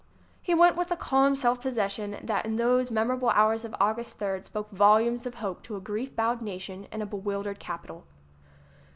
He went with a calm self possession that in those memorable hours of August third spoke volumes of hope to a grief bowed nation and a bewildered capitol.